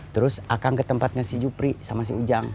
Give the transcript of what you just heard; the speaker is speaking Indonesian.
terus akan ke tempatnya si jupri sama si ujang